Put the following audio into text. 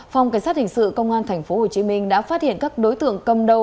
phòng cảnh sát hình sự công an tp hcm đã phát hiện các đối tượng cầm đầu